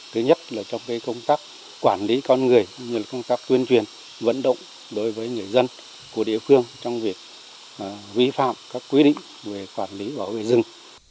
thứ nhất là trong công tác quản lý con người như công tác tuyên truyền vận động đối với người dân của địa phương trong việc vi phạm các quy định về quản lý bảo vệ rừng